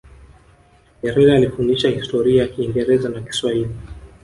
nyerere alifundisha historia kingereza na kiswahili